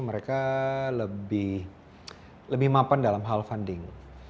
mereka lebih mapan dalam hal funding